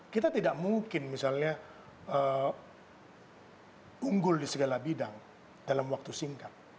kita tidak mungkin misalnya unggul di segala bidang dalam waktu singkat